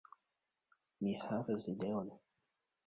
Mi havas ideon